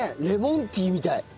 レモンティーみたい。